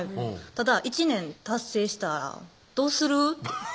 ただ１年達成したら「どうする？」